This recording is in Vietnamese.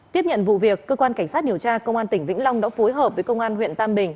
tiếp nhận vụ việc cơ quan cảnh sát điều tra công an tỉnh vĩnh long đã phối hợp với công an huyện tam bình